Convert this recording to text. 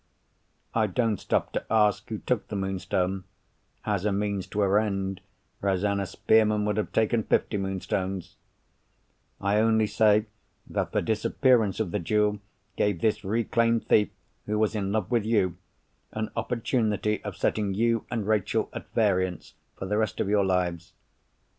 I don't stop to ask who took the Moonstone (as a means to her end, Rosanna Spearman would have taken fifty Moonstones)—I only say that the disappearance of the jewel gave this reclaimed thief who was in love with you, an opportunity of setting you and Rachel at variance for the rest of your lives.